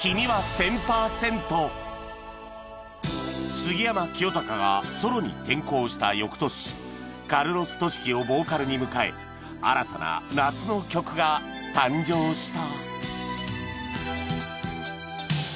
杉山清貴がソロに転向した翌年カルロス・トシキをボーカルに迎え新たな夏の曲が誕生した